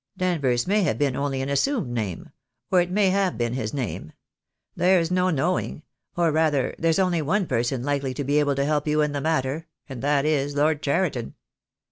Danvers may have been only an assumed name — or it may have been his name. There's no knowing — or rather there's only one person likely to be able to help you in the matter, and that is Lord Cheriton."